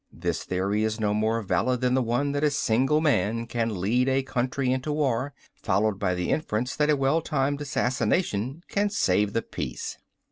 This theory is no more valid than the one that a single man can lead a country into war, followed by the inference that a well timed assassination can save the peace."